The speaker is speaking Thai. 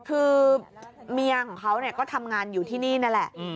คือเมียของเขาก็ทำงานอยู่ที่นี่นั่นแหละ